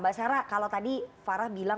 mbak sarah kalau tadi farah berbicara tentang